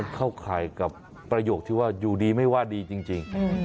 เข้าข่ายกับประโยคที่ว่าอยู่ดีไม่ว่าดีจริง